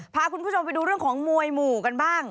พาคุณผู้ชมไปดูเรื่องของมวยหมู่กันบ้าง